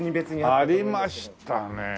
ありましたね。